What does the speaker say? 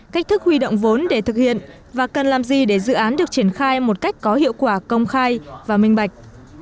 cách thức huy động vốn để thực hiện và cần làm gì để dự án được triển khai một cách có hiệu quả công khai và minh bạch